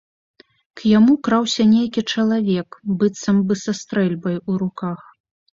К яму краўся нейкі чалавек быццам бы са стрэльбай у руках.